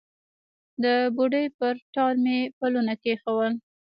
د بوډۍ پر ټال مې پلونه کښېښول